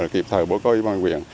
kịp thời bố có ý bàn quyền